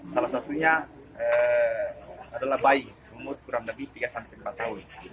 salah satunya adalah bayi umur kurang lebih tiga sampai empat tahun